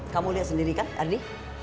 kamu lihat sendiri kan ardi